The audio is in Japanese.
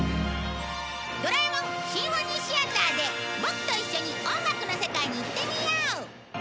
ドラえもん交響楽シアターでボクと一緒に音楽の世界に行ってみよう！